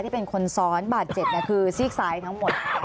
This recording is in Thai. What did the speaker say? เป็นคนซ้อนบาดเจ็บคือซีกซ้ายทั้งหมด